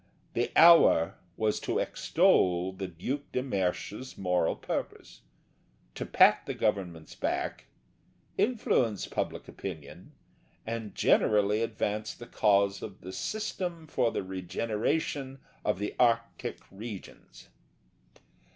The Hour was to extol the Duc de Mersch's moral purpose; to pat the Government's back; influence public opinion; and generally advance the cause of the System for the Regeneration of the Arctic Regions.